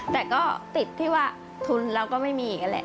แต่ก็ติดที่ว่าทุนเราก็ไม่มีอีกนั่นแหละ